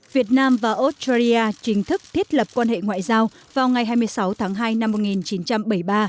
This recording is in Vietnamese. việt nam và australia chính thức thiết lập quan hệ ngoại giao vào ngày hai mươi sáu tháng hai năm một nghìn chín trăm bảy mươi ba